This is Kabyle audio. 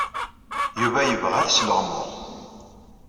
Yuba yebɣa ad t-sleɣmuɣ.